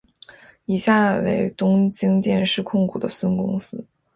以下为东京电视控股的孙公司。